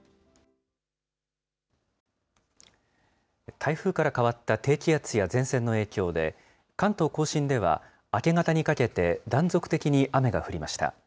台風から変わった低気圧や前線の影響で、関東甲信では明け方にかけて、断続的に雨が降りました。